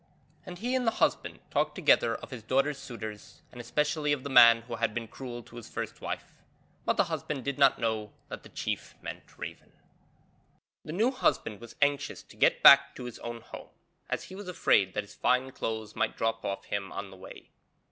And he and the husband talked together of his daughter's suitors and especially of the man who had been cruel to his first wife, but the husband did not know that the chief meant Raven. The new husband was anxious to get back to his own home, as he was afraid that his fine clothes might drop off him on the way.